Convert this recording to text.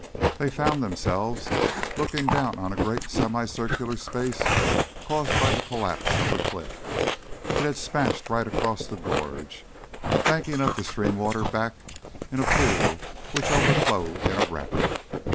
They found themselves looking down on a great semi circular space caused by the collapse of the cliff. It had smashed right across the gorge, banking the up stream water back in a pool which overflowed in a rapid.